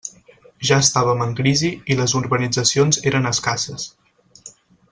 Ja estàvem en crisi i les urbanitzacions eren escasses.